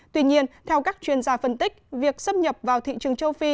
tuy nhiên theo các chuyên gia phân tích việc xâm nhập vào thị trường châu phi